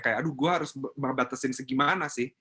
kayak aduh gue harus batasin segimana sih